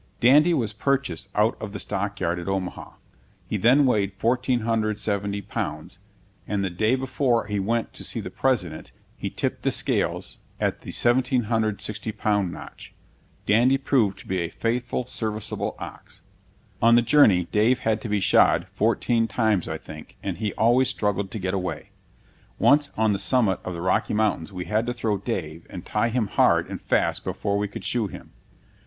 Dandy was purchased out of the stockyard at Omaha. He then weighed 1,470 pounds, and the day before he went to see the President he tipped the scales at the 1,760 pound notch. Dandy proved to be a faithful, serviceable ox. On the journey Dave had to be shod fourteen times, I think, and he always struggled to get away. Once, on the summit of the Rocky Mountains, we had to throw Dave and tie him hard and fast before we could shoe him.